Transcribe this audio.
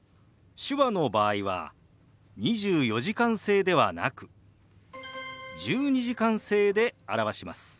手話の場合は２４時間制ではなく１２時間制で表します。